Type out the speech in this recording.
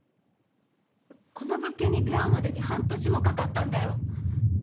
この物件に出会うまでに半年もかかったんだよ。